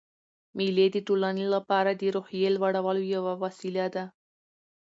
مېلې د ټولنې له پاره د روحیې لوړولو یوه وسیله ده.